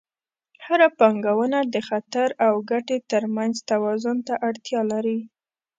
هره پانګونه د خطر او ګټې ترمنځ توازن ته اړتیا لري.